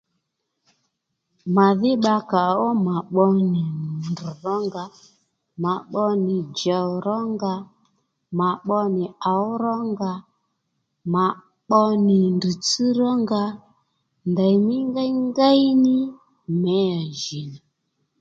Màdhí bba kàó mà pbo nì ndrr̀ rónga mà pbo nì djòw rónga mà pbo nì ǒw rónga mà pbo nì ndrr̀tsś rónga ndèymí ngéyngéy ní meya jì nà